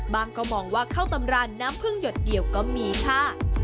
ก็มองว่าข้าวตำรานน้ำพึ่งหยดเดียวก็มีค่ะ